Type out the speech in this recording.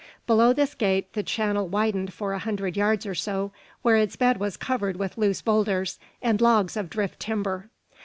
Below this gate the channel widened for a hundred yards or so, where its bed was covered with loose boulders and logs of drift timber.